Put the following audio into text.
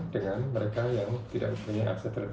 dan mereka juga harus memiliki kelebihan akses ke indonesia